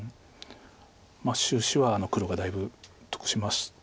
収支は黒がだいぶ得しました。